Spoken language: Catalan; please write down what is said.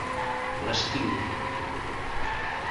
L'estimo.